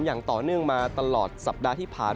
อย่างต่อเนื่องมาตลอดสัปดาห์ที่ผ่าน